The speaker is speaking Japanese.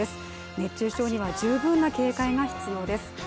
熱中症には十分な警戒が必要です。